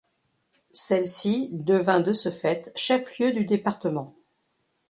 Celle-ci devint de ce fait chef-lieu du département.